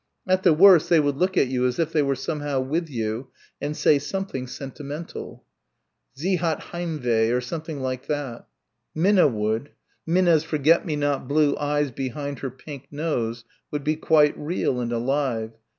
At the worst they would look at you as if they were somehow with you and say something sentimental. "Sie hat Heimweh" or something like that. Minna would. Minna's forget me not blue eyes behind her pink nose would be quite real and alive....